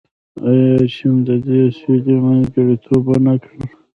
آیا چین د دې سولې منځګړیتوب ونه کړ؟